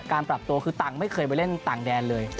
ปรับตัวคือตังค์ไม่เคยไปเล่นต่างแดนเลย